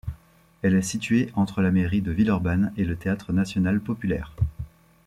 Elle est située entre la mairie de Villeurbanne et le Théâtre national populaire.